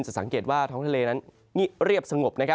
สังเกตว่าท้องทะเลนั้นเรียบสงบ